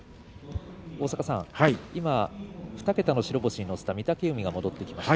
今、２桁の白星に乗せた御嶽海が戻ってきました。